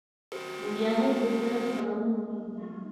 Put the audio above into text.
مجاهد د خیر خپرونکی وي.